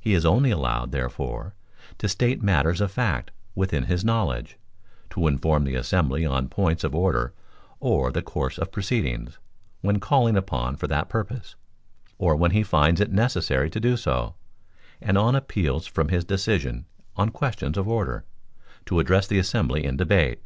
He is only allowed, therefore, to state matters of fact within his knowledge; to inform the assembly on points of order or the course of proceeding, when called upon for that purpose, or when he finds it necessary to do so; and on appeals from his decision on questions of order, to address the assembly in debate."